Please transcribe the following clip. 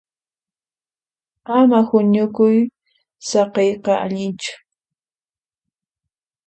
Manan huñukuy saqiyqa allinchu.